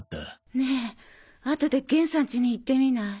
ねえあとで玄さんちに行ってみない？